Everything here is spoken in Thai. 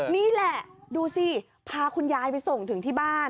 นี่แหละดูสิพาคุณยายไปส่งถึงที่บ้าน